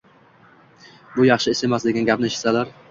bu yaxshi ish emas”, degan gapni eshitsalar